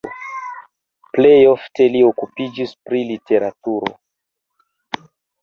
Plej ofte li okupiĝis pri literaturo.